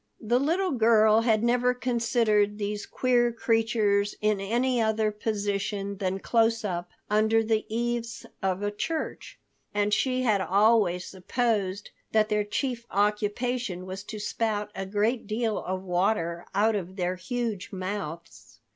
The little girl had never considered these queer creatures in any other position than close up under the eaves of a church. And she had always supposed that their chief occupation was to spout a great deal of water out of their huge mouths.